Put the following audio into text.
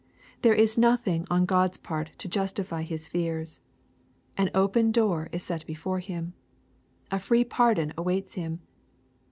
There is nothing on God's part to justifj^ his fears. An open door is set before him. A free pardon awaits him.